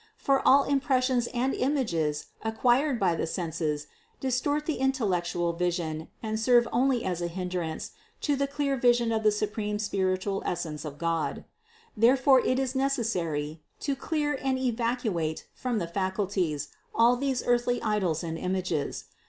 For all impres sions and images, acquired by the senses distort the in tellectual vision and serve only as a hindrance to the clear vision of the supreme spiritual essence of God. There fore it is necessary to clear and evacuate from the facul ties all these earthly idols and images.